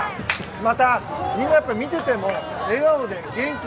また、みんな見てても笑顔で元気。